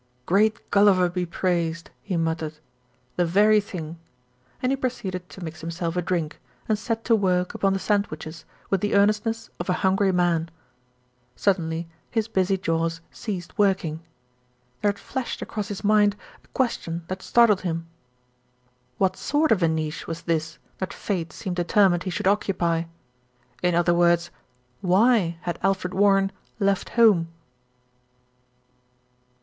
"Great Gulliver be praised!" he muttered. "The very thing," and he proceeded to mix himself a drink, and set to work upon the sandwiches with the earnest ness of a hungry man. Suddenly his busy jaws ceased working. There had flashed across his mind a question that startled him. What sort of a niche was this that fate seemed deter mined he should occupy? In other words, why had Alfred Warren left home?